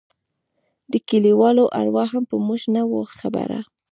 د كليوالو اروا هم په موږ نه وه خبره.